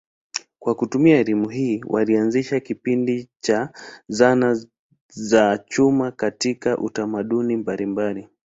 Kwa kutumia elimu hii walianzisha kipindi cha zama za chuma katika tamaduni mbalimbali.